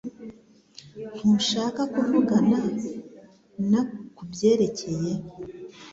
Ntushaka kuvugana na kubyerekeye